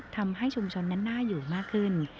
ทำให้ชุมชนนั้นน่าอยู่มากขึ้น